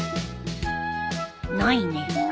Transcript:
ないね。